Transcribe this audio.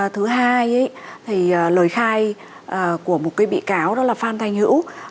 thứ hai thì lời khai của một cái bị cáo đó là phan thanh hữu